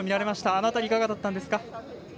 あの辺りはいかがだったんですか。